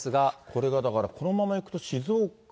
これがだからこのまま行くと、静岡。